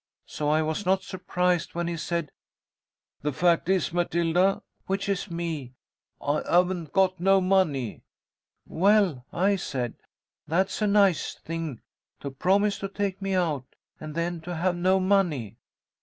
So I was not surprised when he said, 'The fact is Matilda' which is me 'I haven't got no money.' 'Well,' I said, 'that's a nice thing, to promise to take me out, and then to have no money.'